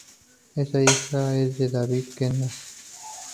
Es hija de David Kendall.